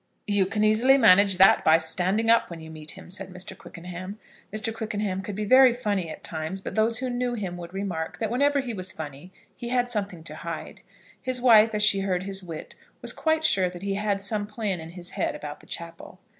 "You can easily manage that by standing up when you meet him," said Mr. Quickenham. Mr. Quickenham could be very funny at times, but those who knew him would remark that whenever he was funny he had something to hide. His wife as she heard his wit was quite sure that he had some plan in his head about the chapel.